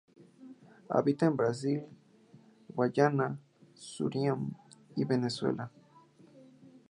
Habita en Brasil, Guayana, Surinam y Venezuela.